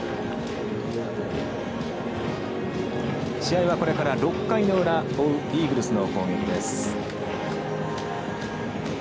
試合はこれから６回の裏追うイーグルスの攻撃です。